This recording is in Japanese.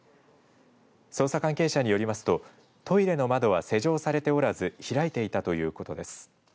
捜査関係者によりますとトイレの窓は施錠されておらず開いていたということです。